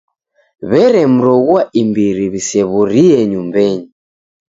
W'eremroghua imbiri w'isew'urie nyumbenyi.